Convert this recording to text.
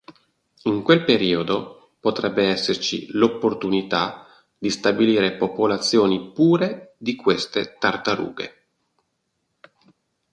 In quel periodo potrebbe esserci l'opportunità di stabilire popolazioni pure di queste tartarughe.